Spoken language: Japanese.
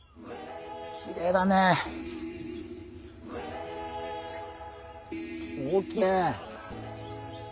きれいだね。大きいね。